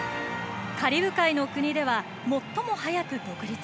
カリブ海の国では最も早く独立。